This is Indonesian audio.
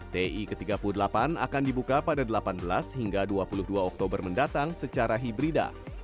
ti ke tiga puluh delapan akan dibuka pada delapan belas hingga dua puluh dua oktober mendatang secara hibrida